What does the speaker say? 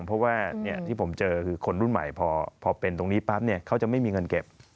เพราะว่าที่ผมเจอคือคนรุ่นใหม่พอเป็นตรงนี้ปั๊บเขาจะไม่มีเงินเก็บ